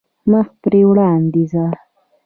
مخ پر وړاندې ځه .